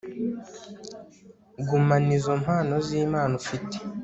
gumana izo mpano z'imana ufite